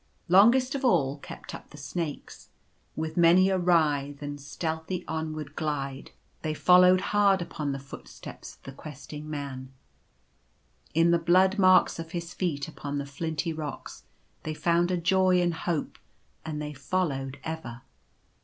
Longest of all kept up the snakes. With many a writhe and stealthy onward glide, they followed hard 148 The Entrance to the Valley. upon the footsteps of the Questing Man. In the blood marks of his feet upon the flinty rocks they found a joy and hope, and they followed ever.